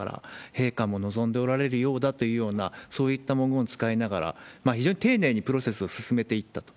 陛下も望んでおられるようだというような、そういった文言を使いながら、非常に丁寧にプロセスを進めていったと。